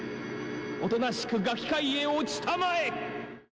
おとなしく餓鬼界へ落ちたまえ！